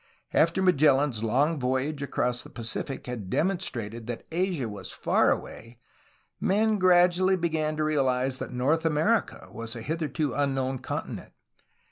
'' After Magellan's long voyage across the Pacific had demonstrated that Asia was far away, men gradually began to realize that North America was a hitherto unknown con tinent.